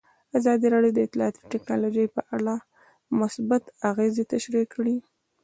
ازادي راډیو د اطلاعاتی تکنالوژي په اړه مثبت اغېزې تشریح کړي.